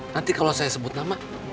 nanti kalau saya sebut nama